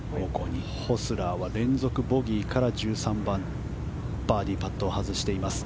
ホスラーは連続ボギーから１３番、バーディーパットを外しています。